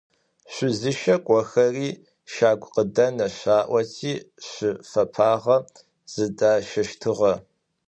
Шъузыщэ кӏохэри щагукъыдэнэш аӏоти шы фэпагъэ зыдащэщтыгъэ.